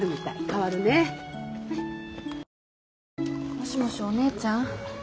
もしもしお姉ちゃん？